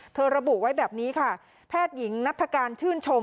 ระบุไว้แบบนี้ค่ะแพทย์หญิงนัฐการชื่นชม